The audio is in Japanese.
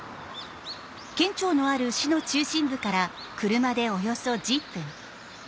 県庁のある市の中心部から車でおよそ１０分。